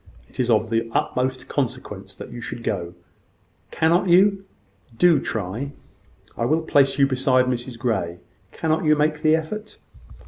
It is of the utmost consequence that you should go. Cannot you? Do try. I will place you beside Mrs Grey. Cannot you make the effort?"